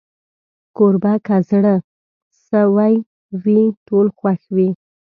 کوربه که زړه سوي وي، ټول خوښ وي.